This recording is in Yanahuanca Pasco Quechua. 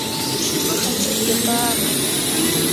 shumaq achikyapaamay.